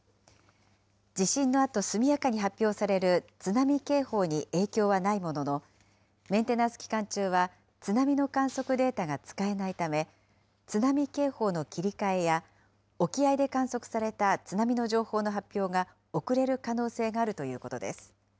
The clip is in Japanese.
地震のあと速やかに発表される津波警報に影響はないものの、メンテナンス期間中は津波の観測データが使えないため、津波警報の切り替えや沖合で観測された津波の情報の発表が遅れる可能性があるということです。